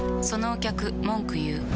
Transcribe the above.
そのお客文句言う。